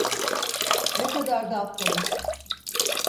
Ne kadar da aptalım.